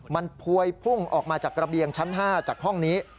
มันพวยพุ่งออกมาจากระเบียงชั้น๕จากห้องนี้